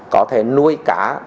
có thể nuôi cá